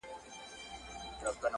ډېوې پوري.